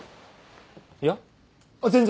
いや全然！